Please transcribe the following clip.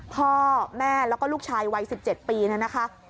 พ่อแม่แล้วก็ลูกชายวัย๑๗ปีเนี่ยนะคะ